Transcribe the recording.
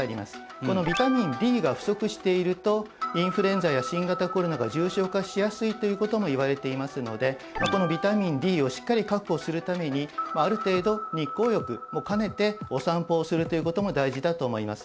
このビタミンＤが不足しているとインフルエンザや新型コロナが重症化しやすいという事もいわれていますのでこのビタミンＤをしっかり確保するためにある程度日光浴も兼ねてお散歩をするという事も大事だと思います。